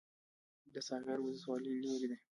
د ساغر ولسوالۍ لیرې ده